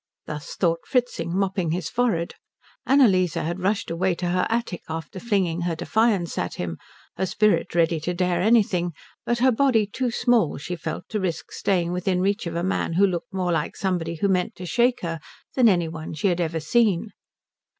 Thus thought Fritzing, mopping his forehead. Annalise had rushed away to her attic after flinging her defiance at him, her spirit ready to dare anything but her body too small, she felt, to risk staying within reach of a man who looked more like somebody who meant to shake her than any one she had ever seen.